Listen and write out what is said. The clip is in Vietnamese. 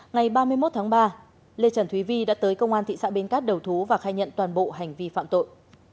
ngày ba mươi một tháng ba lê trần thúy vi đã tới công an thị xã bến cát đầu thú và khai nhận toàn bộ hành vi phạm tội